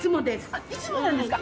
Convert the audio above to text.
あっいつもなんですか。